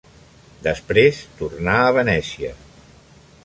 Després, tornà a Venècia.